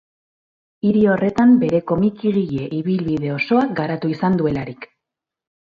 Hiri horretan bere komikigile ibilbide osoa garatu izan duelarik.